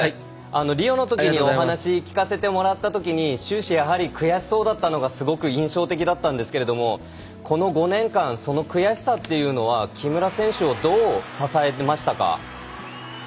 リオのときにお話聞かせてもらったときに終始悔しそうだったのがすごく印象的だったんですけれどもこの５年間その悔しさというのは木村選手をどう支えましたか。